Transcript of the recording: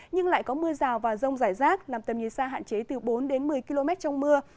nhưng lại có mưa rào và rông rải rác làm tầm nhìn xa hạn chế từ bốn đến một mươi km trong mưa